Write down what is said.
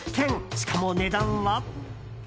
しかも値段は。